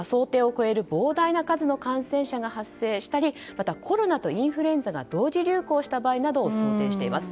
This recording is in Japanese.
膨大な数の感染者が発生したりコロナとインフルエンザが同時流行した場合などを想定しています。